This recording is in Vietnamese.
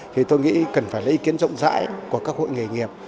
thì tôi nghĩ cần phải lấy ý kiến rộng rãi của các hội nghề nghiệp